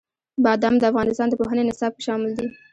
بادام د افغانستان د پوهنې نصاب کې شامل دي.